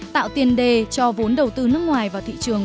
tạo tiền đề cho vốn đầu tư nước ngoài vào thị trường